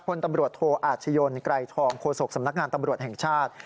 พลตำรวจโทอาชญนไกรทองโฆษกสำนักงานตำรวจแห่งชาติ